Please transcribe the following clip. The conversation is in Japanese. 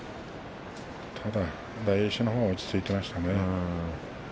ただ大栄翔のほうが落ち着いていましたね。